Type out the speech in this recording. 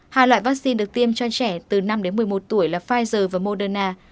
hai loại vaccine được tiêm cho trẻ từ năm đến một mươi một tuổi là pfizer và moderna